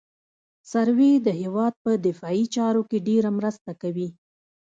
سروې د هېواد په دفاعي چارو کې ډېره مرسته کوي